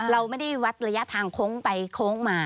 เราไม่ได้วัดระยะทางโค้งไปโค้งมา